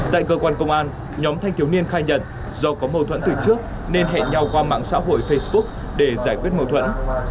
tại cơ quan công an nhóm thanh thiếu niên khai nhận do có mâu thuẫn từ trước nên hẹn nhau qua mạng xã hội facebook để giải quyết mâu thuẫn